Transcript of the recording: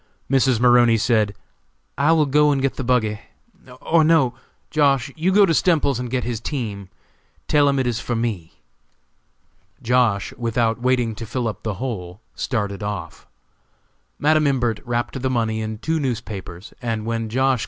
Mrs. Maroney said: "I will go and get the buggy, or no! Josh.! you go to Stemples's and get his team; tell him it is for me." Josh., without waiting to fill up the hole, started off. Madam Imbert wrapped the money in two newspapers, and when Josh.